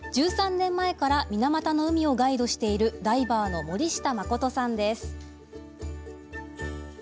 １３年前から水俣の海をガイドしているダイバーの森下誠さんです。